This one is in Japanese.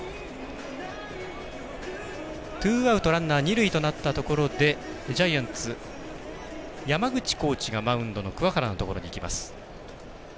ツーアウト、ランナー二塁となったところでジャイアンツ山口コーチがマウンドの鍬原のところに行きます。